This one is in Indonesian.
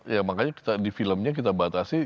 ya makanya kita di filmnya kita batasi